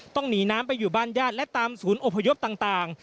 ต้องหนีน้ำไปอยู่บ้านญาติและตามศูนย์อพยพต่าง